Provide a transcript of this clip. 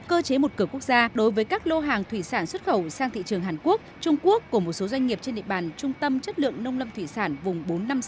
cơ chế một cửa quốc gia đối với các lô hàng thủy sản xuất khẩu sang thị trường hàn quốc trung quốc của một số doanh nghiệp trên địa bàn trung tâm chất lượng nông lâm thủy sản vùng bốn trăm năm mươi sáu